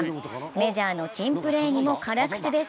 メジャーの珍プレーにも辛口です。